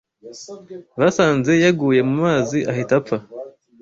basanze yaguye mumazi ahita apfa